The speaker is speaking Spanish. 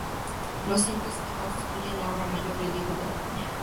Lo cierto es que constituye la obra de mayor relieve de la línea.